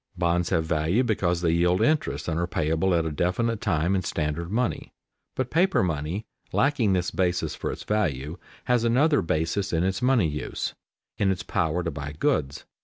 Bonds have value because they yield interest and are payable at a definite time in standard money. But paper money, lacking this basis for its value, has another basis in its money use, in its power to buy goods.